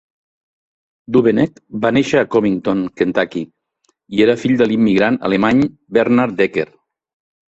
Duveneck va néixer a Covington, Kentucky, i era fill de l'immigrant alemany Bernhard Decker.